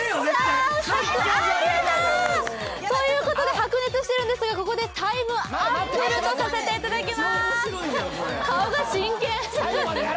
白熱しているんですが、ここでタイムアップルとさせていただきます。